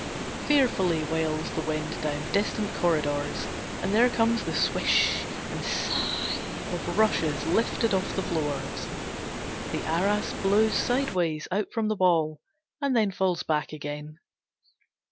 Fearfully wails the wind down distant corridors, and there comes the swish and sigh of rushes lifted off the floors. The arras blows sidewise out from the wall, and then falls back again.